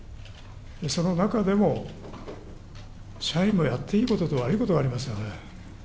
その中でも、社員もやっていいことと悪いことがありますよね。